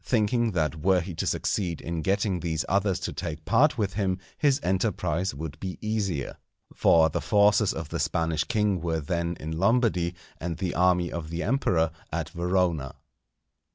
thinking that were he to succeed in getting these others to take part with him, his enterprise would be easier. For the forces of the Spanish king were then in Lombardy, and the army of the Emperor at Verona.